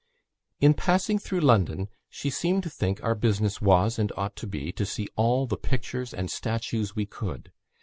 "In passing through London, she seemed to think our business was and ought to be, to see all the pictures and statues we could.